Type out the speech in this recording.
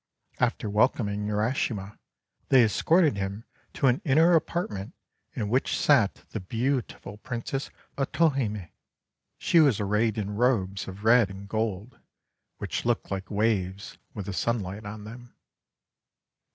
After wel coming Urashima, they escorted him to an inner apartment in which sat the beautiful Princess Otohime. She was arrayed in robes of red and gold, which looked like waves with the sunlight on them.